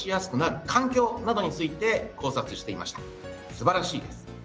すばらしいです。